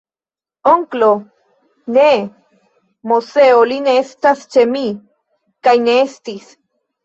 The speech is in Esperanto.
Onklo!? Ne, Moseo, li ne estas ĉe mi, kaj ne estis.